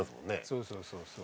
そうそうそうそう